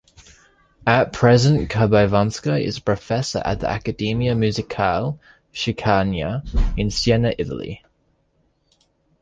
At present, Kabaivanska is a professor at the Accademia Musicale Chigiana, in Siena, Italy.